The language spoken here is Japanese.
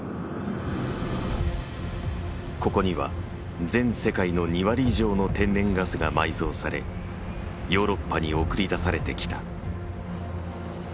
ここには全世界の２割以上の天然ガスが埋蔵されヨーロッパに送り出されてきた。